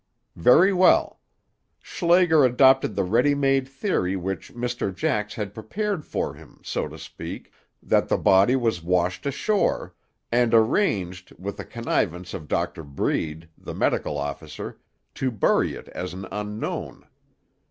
"Very well. Schlager adopted the ready made theory which Mr. Jax had prepared for him, so to speak, that the body was washed ashore; and arranged, with the connivance of Doctor Breed, the medical officer, to bury it as an unknown.